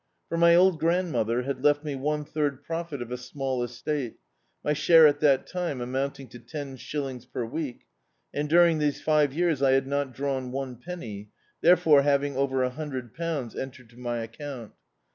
For my old grandmother had left me one Aird profit of a small estate, my share at that time amounting to ten shill ing p>er week, and during these five years I had not drawn one penny, therefore having over a hundred pounds entered to my account.